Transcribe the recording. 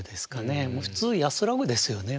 普通「安らぐ」ですよね。